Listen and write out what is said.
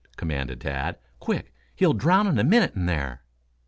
commanded Tad. "Quick! He'll drown in a minute in there."